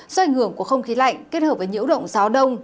do ảnh hưởng của không khí lạnh kết hợp với nhiễu động gió đông